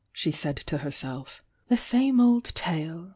she said to herself. "The same old tale!